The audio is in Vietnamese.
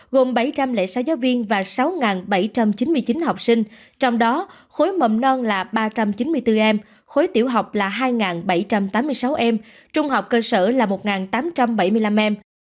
giáo viên và sáu bảy trăm chín mươi chín học sinh trong đó khối mậm non là ba trăm chín mươi bốn em khối tiểu học là hai bảy trăm tám mươi sáu em trung học cơ sở là một tám trăm bảy mươi năm em